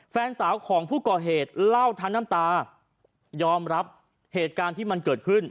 แฟนสาวของผู้ก่อเหตุเล่าทั้งน้ำตายอมรับเหตุการณ์ที่มันเกิดขึ้น